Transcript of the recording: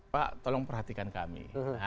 pak tolong perhatikan kami